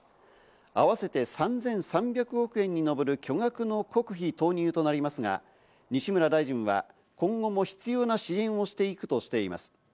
合わせて３３００億円に上る巨額の国費投入となりますが、西村大臣は今後も必要な支援をしていくとしています。